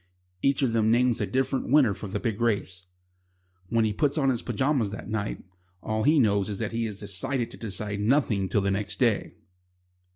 Each of them names a different winner for the big race. When he puts on his pyjamas that night, all he knows is that he has decided to decide nothing till the next day.